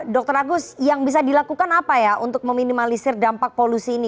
dr agus yang bisa dilakukan apa ya untuk meminimalisir dampak polusi ini